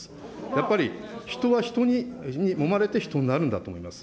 やっぱり、人は人にもまれて人になるんだと思います。